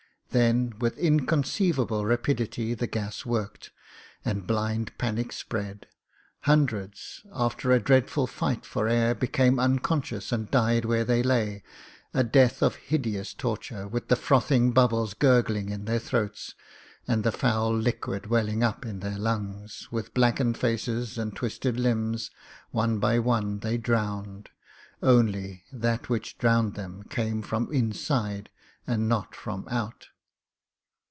Then, with inconceivable rapid ity, the gas worked, and blind panic spread. Hun dreds, after a dreadful fight for air, became uncon scious and died where they lay — ^a death of hideous torture, with the frothing bubbles gurgling in their throats and the fdul liquid welling up in their lungs. With blackened faces and twisted limbs one by one they drowned — only that which drowned them came from inside and not from out.